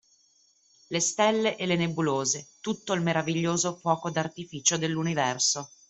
Le stelle e le nebulose tutto il meraviglioso fuoco d’artificio dell’universo.